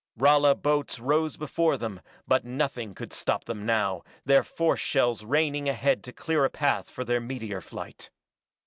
Rala boats rose before them, but nothing could stop them now, their force shells raining ahead to clear a path for their meteor flight.